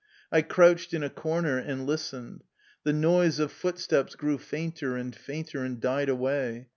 I crouched in a cor ner and listened. The noise of footsteps grew fainter and fainter and died away.